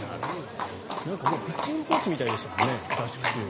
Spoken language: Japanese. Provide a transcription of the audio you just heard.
合宿中、ピッチングコーチみたいでしたもんね。